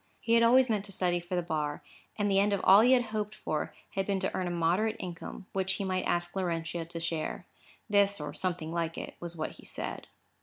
He had always meant to study for the bar, and the end of all he had hoped for had been to earn a moderate income, which he might ask Laurentia to share. This, or something like it, was what he said.